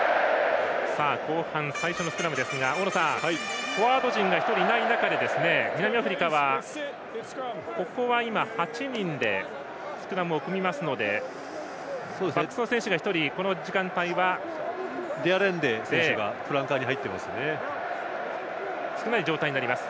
後半最初のスクラムですが大野さん、フォワード陣が１人いない中で南アフリカは、ここは８人でスクラムを組みますのでバックスの選手が１人、この時間帯は少ない状態になります。